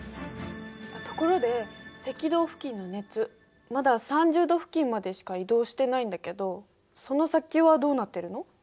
ところで赤道付近の熱まだ３０度付近までしか移動してないんだけどその先はどうなってるの？